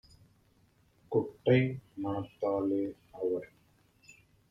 குட்டை மனத்தாலே - அவர்